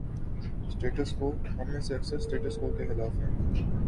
’Status quo‘ ہم میں سے اکثر 'سٹیٹس کو‘ کے خلاف ہیں۔